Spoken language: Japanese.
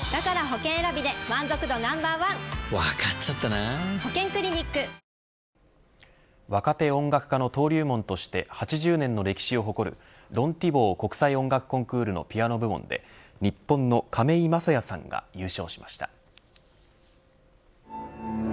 「ニベアメンアクティブエイジ」集中ケアも若手音楽家の登竜門として８０年の歴史を誇るロン・ティボー国際音楽コンクールのピアノ部門で日本の亀井聖矢さんが優勝しました。